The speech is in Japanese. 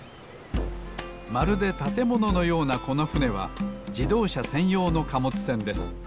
まるでたてもののようなこのふねは自動車せんようの貨物船です。